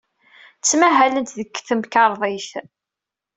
Ttmahalent deg temkarḍit.